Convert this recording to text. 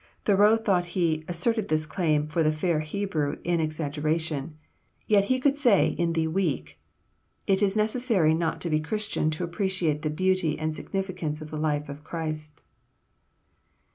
Thoreau thought he "asserted this claim for the fair Hebrew in exaggeration"; yet he could say in the "Week," "It is necessary not to be Christian to appreciate the beauty and significance of the life of Christ."